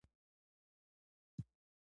کارګران هماغه پخواني حقوق یا کم ترلاسه کوي